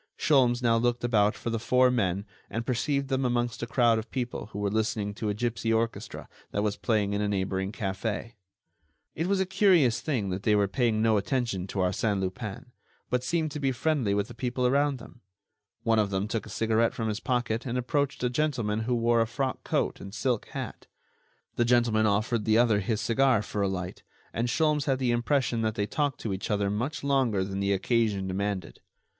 Sholmes now looked about for the four men and perceived them amongst a crowd of people who were listening to a gipsy orchestra that was playing in a neighboring café. It was a curious thing that they were paying no attention to Arsène Lupin, but seemed to be friendly with the people around them. One of them took a cigarette from his pocket and approached a gentleman who wore a frock coat and silk hat. The gentleman offered the other his cigar for a light, and Sholmes had the impression that they talked to each other much longer than the occasion demanded.